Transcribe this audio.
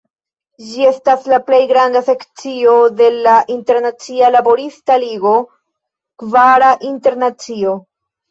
Ĝi estas la plej granda sekcio de la Internacia Laborista Ligo (Kvara Internacio).